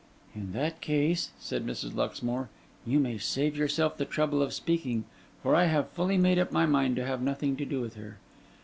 'In that case,' said Mrs. Luxmore, 'you may save yourself the trouble of speaking, for I have fully made up my mind to have nothing to do with her.